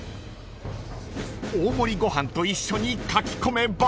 ［大盛りご飯と一緒にかき込めば］